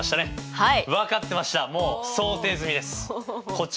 はい。